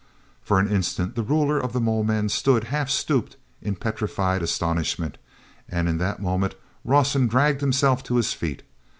For an instant the ruler of the mole men stood half stooped in petrified astonishment, and in that moment Rawson dragged himself to his feet.